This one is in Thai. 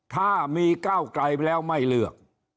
ถ้ามีก้าวไกลแล้วไม่เลือก